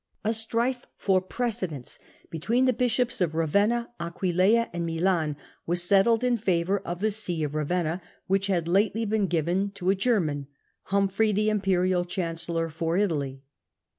A strife for precedence between the bishops of Ravenna, Aquileia, and Milan, was settled in favour of the See of Ravenna, which had lately been given to a German, Humphrey, the Imperial Chancellor for Italy.